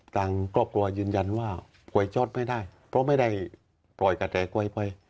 ทางครอบครัวยืนยันว่าป่วยช็อตไม่ได้เพราะไม่ได้ปล่อยกระแสกวยไป